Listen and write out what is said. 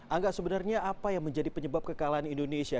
angga sebenarnya apa yang menjadi penyebab kekalahan indonesia